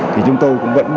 thì chúng tôi cũng vẫn